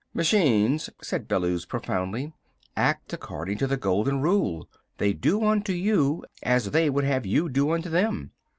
"Machines," said Bellews profoundly, "act according to the golden rule. They do unto you as they would have you do unto them.